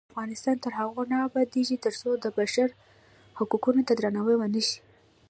افغانستان تر هغو نه ابادیږي، ترڅو د بشر حقونو ته درناوی ونشي.